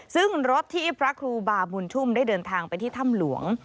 ซึ่งรถที่พระครูบาบุญชุ่มได้เดินทางไปที่ถ้ำหลวง